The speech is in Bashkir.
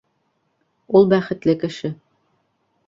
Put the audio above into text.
Ул бәхетле кеше